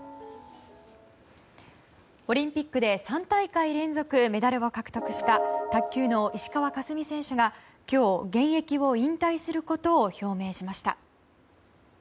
オリンピックで３大会連続メダルを獲得した卓球の石川佳純選手が今日、現役を引退することを表明しました。